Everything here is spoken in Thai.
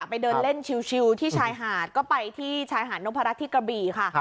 ไปเดินเล่นชิวที่ชายหาดก็ไปที่ชายหาดนพรัชที่กระบี่ค่ะ